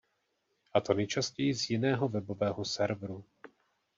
A to nejčastěji z jiného webového serveru.